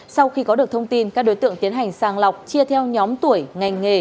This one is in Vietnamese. sau khi có được thông tin các đối tượng tiến hành sàng lọc chia theo nhóm tuổi ngành nghề